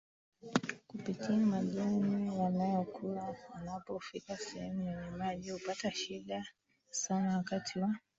kupitia majani wanayo kula Anapo fika sehemu yenye maji hupata shida sana wakati wa